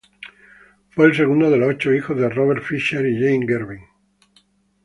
Fue el segundo de los ocho hijos de Robert Fisher y Jane Garvin.